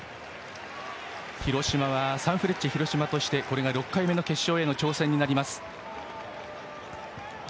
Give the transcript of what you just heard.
広島はサンフレッチェ広島としてこれが６回目の決勝への挑戦となります。